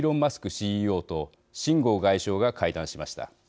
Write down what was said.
ＣＥＯと秦剛外相が会談しました。